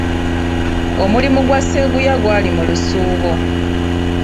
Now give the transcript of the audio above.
Omulimu gwa Sseguya gwali mu lusuubo.